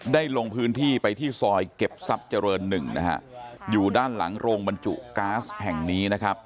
ลงพื้นที่ไปที่ซอยเก็บทรัพย์เจริญหนึ่งนะฮะอยู่ด้านหลังโรงบรรจุก๊าซแห่งนี้นะครับ